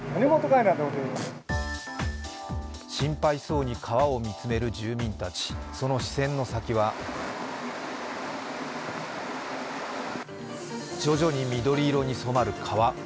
心配そうに川を見つめる住民たち、その視線の先は徐々に緑色に染まる川。